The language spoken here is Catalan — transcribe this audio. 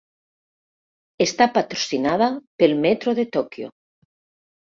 Està patrocinada pel Metro de Tòquio.